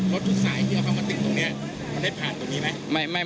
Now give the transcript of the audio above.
ทุกสายที่เอาเข้ามาติดตรงนี้มันได้ผ่านตรงนี้ไหม